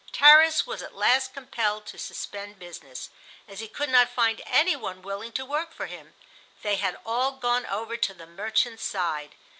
Tarras was at last compelled to suspend business, as he could not find any one willing to work for him. They had all gone over to the "merchant's" side.